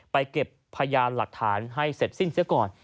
เก็บพยานหลักฐานให้เสร็จสิ้นเสียก่อน